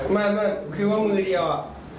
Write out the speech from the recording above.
ไม่ว่าคือว่ามือเดียวอะ